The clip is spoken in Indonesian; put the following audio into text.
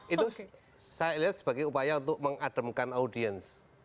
itu saya lihat sebagai upaya untuk mengademkan audiens